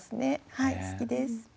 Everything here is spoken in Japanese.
はい好きです。